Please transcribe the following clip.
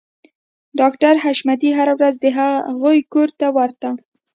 ډاکټر حشمتي هره ورځ د هغوی کور ته ورته